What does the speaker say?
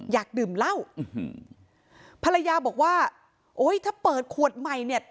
อยากดื่มเหล้าภรรยาบอกว่าโอ้ยถ้าเปิดขวดใหม่เนี่ย